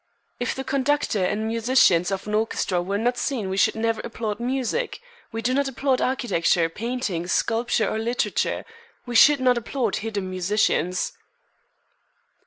"If the conductor and musicians of an orchestra were not seen we should never applaud music. We do not applaud architecture, painting, sculpture, or literature. We should not applaud hidden musicians."